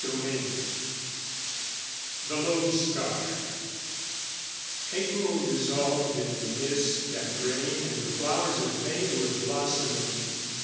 XXVIII THE LODESTAR April dissolved in mist and rain and the flowers of May were blossoming.